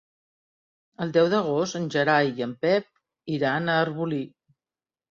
El deu d'agost en Gerai i en Pep iran a Arbolí.